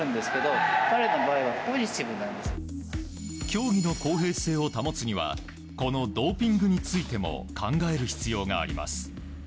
競技の公平性を保つにはこのドーピングについても考える必要があります。